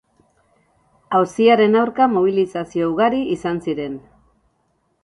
Auziaren aurka, mobilizazio ugari izan ziren.